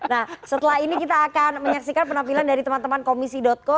nah setelah ini kita akan menyaksikan penampilan dari teman teman komisi co